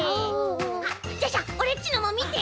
あっじゃあじゃあオレっちのもみて！